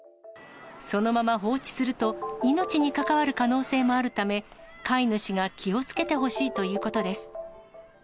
そのまま放置すると、命に関わる可能性もあるため、飼い主が気をつけてほしいということです。